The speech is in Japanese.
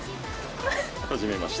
はじめまして。